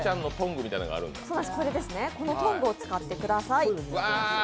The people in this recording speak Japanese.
このトングを使ってください。